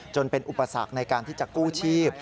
จนเป็นอุปสรรคในการที่จะกู้ชีพ